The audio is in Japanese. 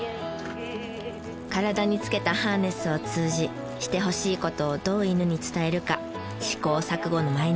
体につけたハーネスを通じしてほしい事をどう犬に伝えるか試行錯誤の毎日です。